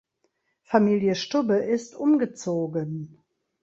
Familie Stubbe ist umgezogen.